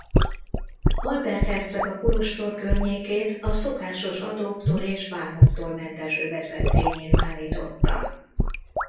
Albert herceg a kolostor környékét a szokásos adóktól és vámoktól mentes övezetté nyilvánította.